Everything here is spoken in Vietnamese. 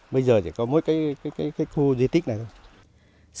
bây giờ chỉ có mỗi cái khu di tích này thôi